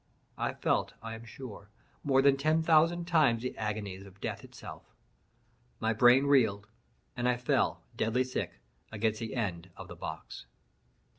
I felt, I am sure, more than ten thousand times the agonies of death itself. My brain reeled, and I fell, deadly sick, against the end of the box.